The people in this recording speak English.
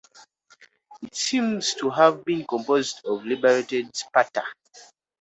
It seems to have been composed of liberated Sparta.